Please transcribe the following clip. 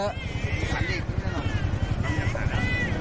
พอพอพอพอ